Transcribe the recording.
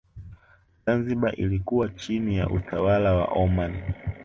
Zanzibar ilikuwa chini ya utawala wa Oman